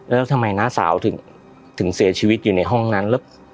แล้วทำไมน้าสาวถึงเสียชีวิตอยู่ในห้องนั้นแล้ว